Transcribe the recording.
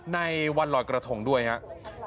ในวันลอยกระทงด้วยครับ